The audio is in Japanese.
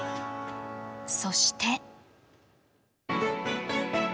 そして。